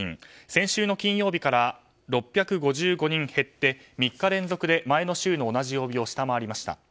先週の金曜日から６５５人減って３日連続で前の週の同じ曜日を下回りました。